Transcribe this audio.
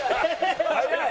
早い！